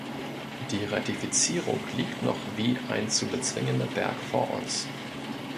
Die Ratifizierung liegt noch wie ein zu bezwingender Berg vor uns.